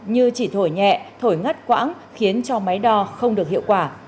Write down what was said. như chỉ thổi nhẹ thổi ngắt quãng khiến cho máy đo không được hiệu quả